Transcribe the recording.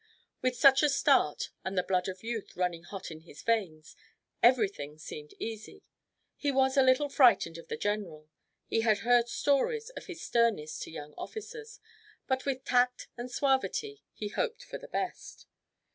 With such a start, and the blood of youth running hot in his veins, everything seemed easy. He was a little frightened of the general; he had heard stories of his sternness to young officers, but with tact and suavity he hoped for the best.